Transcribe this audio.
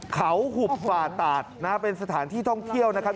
เขาหุบฝ่าตาดนะฮะเป็นสถานที่ท่องเที่ยวนะครับ